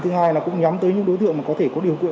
thứ hai là cũng nhắm tới những đối tượng